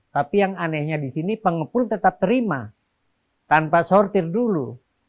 tapi yang anehnya di sini pengepul tetap terima tanpa sortir dulu